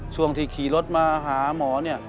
ช่วงที่ขี่รถมาหาหมอเนี่ย